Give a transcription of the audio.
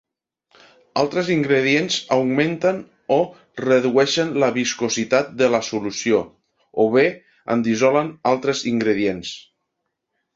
Altres ingredients augmenten o redueixen la viscositat de la solució, o bé en dissolen altres ingredients.